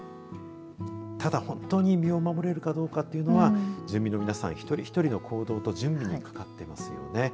ただ、本当に身を守れるかどうかというのは住民の皆さん、一人一人の行動と準備にかかっていますよね。